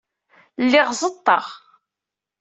Lliɣ ẓeḍḍeɣ.